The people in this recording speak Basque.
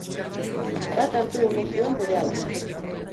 Bat hartu omen zuen berehala.